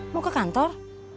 mau ke kantor